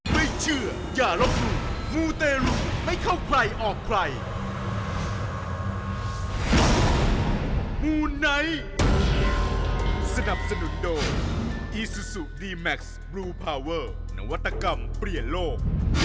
สี้มุมูไนท์สนับสนุนโดอี้สุซูดีแมคซ์บลูฟาวเวอร์นวัตกรรมเปลี่ยนโลก